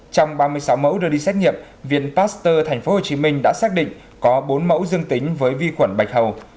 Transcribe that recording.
trong ba mươi sáu mẫu đưa đi xét nghiệm viện pasteur thành phố hồ chí minh đã xác định có bốn mẫu dương tính với vi khuẩn bạch hầu